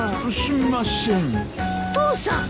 父さん。